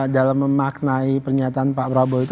dalam memaknai pernyataan pak prabowo itu